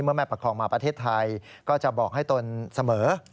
แม่ประคองมาประเทศไทยก็จะบอกให้ตนเสมอ